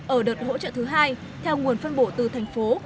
ở đợt hỗ trợ thứ hai theo nguồn phân bổ từ thành phố